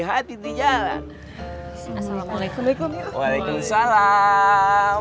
hati hati di jalan assalamualaikum waalaikumsalam